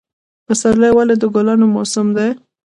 پسرلی ولې د ګلانو موسم دی؟